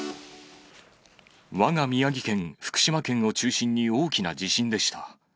わが宮城県、福島県を中心に大きな地震でした。